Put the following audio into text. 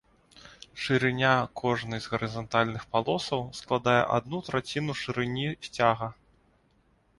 Шырыня кожнай з гарызантальных палосаў складае адну траціну шырыні сцяга.